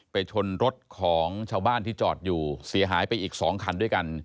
ชนรถของชาวบ้านที่จอดอยู่เสียหายไปอีก๒คันด้วยกัน